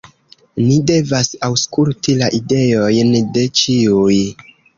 "Ni devas aŭskulti la ideojn de ĉiuj."